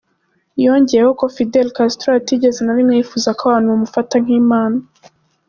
Yongeyeho ko Fidel Castro atigeze na rimwe yifuza ko abantu bamufata nk'imana.